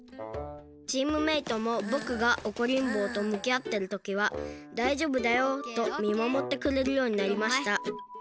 チームメートもぼくがおこりんぼうとむきあってるときは「だいじょうぶだよ」とみまもってくれるようになりました。